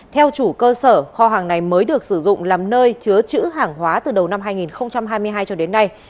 theo chủ cơ sở kho hàng này mới được sử dụng làm nơi chứa chữ hàng hóa từ đầu năm hai nghìn hai mươi hai cho đến nay